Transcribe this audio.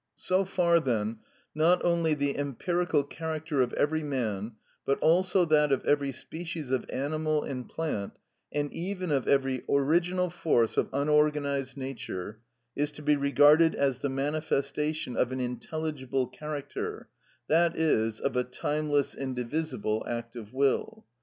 So far then, not only the empirical character of every man, but also that of every species of animal and plant, and even of every original force of unorganised nature, is to be regarded as the manifestation of an intelligible character, that is, of a timeless, indivisible act of will.